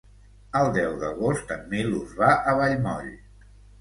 El deu d'agost en Milos va a Vallmoll.